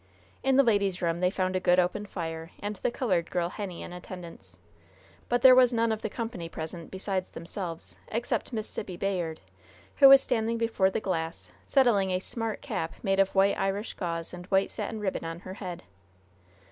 In the ladies' room they found a good, open fire, and the colored girl Henny in attendance; but there was none of the company present besides themselves, except Miss Sibby Bayard, who was standing before the glass, settling a smart cap made of white Irish gauze and white satin ribbon on her head.